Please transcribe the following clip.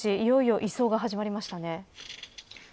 いよいよ移送が始まりましたね。